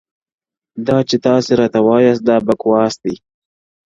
دا چي تاسي راته وایاست دا بکواس دی,